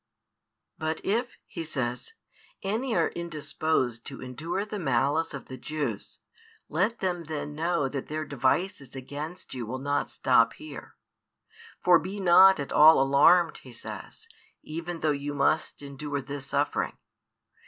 But if, He says, any are indisposed to endure the malice of the Jews, let them then know that their devices against you will not stop here. For be not at all alarmed, He says, even though you must endure this suffering.